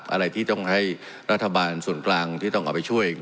อะไรที่ต้องให้รัฐบาลส่วนกลางที่ต้องเอาไปช่วย